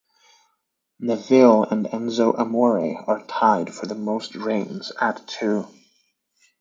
Neville and Enzo Amore are tied for the most reigns at two.